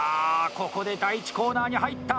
ここで第１コーナーに入った！